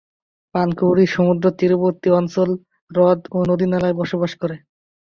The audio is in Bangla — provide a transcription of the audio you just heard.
পানকৌড়ি সমুদ্রতীরবর্তী অঞ্চল, হ্রদ ও নদীনালায় বসবাস করে।